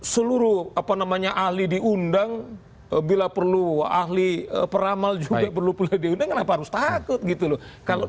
seluruh apa namanya ahli diundang bila perlu ahli peramal juga perlu pula diundang kenapa harus takut gitu loh